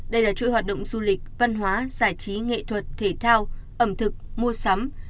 đây là chuỗi hoạt động du lịch văn hóa giải trí nghệ thuật thể thao ẩm thực mua sắm